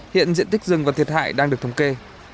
hiện diện tích rừng và thiệt hại đang được thống kê